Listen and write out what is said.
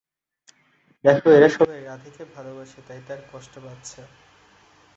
দেখো, এরা সবাই রাধেকে ভালোবাসে তাই তার কষ্ট পাচ্ছে।